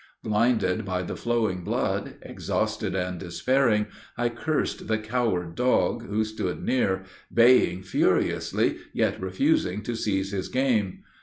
"Blinded by the flowing blood, exhausted and despairing, I cursed the coward dog, who stood near, baying furiously, yet refusing to seize his game.